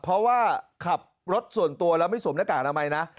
เพราะว่าขับรถส่วนตัวแล้วไม่สวมหน้ากากอนามัยนะ